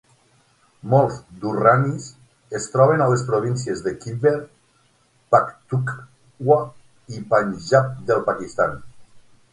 Molts Durranis es troben a les províncies de Khyber Pakhtunkhwa i Panjab del Pakistan.